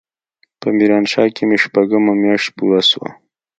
په ميرانشاه کښې مې شپږمه مياشت پوره سوه.